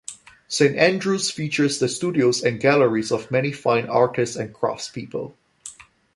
Saint Andrews features the studios and galleries of many fine artists and craftspeople.